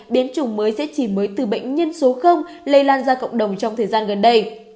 biến chủng mới sẽ chỉ mới từ bệnh nhân số lây lan ra cộng đồng trong thời gian gần đây